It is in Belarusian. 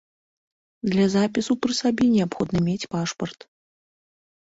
Для запісу пры сабе неабходна мець пашпарт.